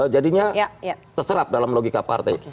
jadinya terserap dalam logika partai